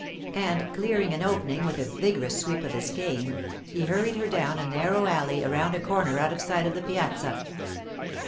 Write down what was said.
And clearing an opening with a vigorous sweep of his cane, he hurried her down a narrow alley and around a corner out of sight of the piazza.